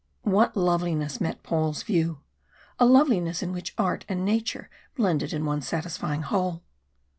What loveliness met Paul's view! A loveliness in which art and nature blended in one satisfying whole.